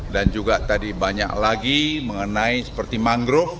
dan juga tadi banyak lagi mengenai seperti mangrove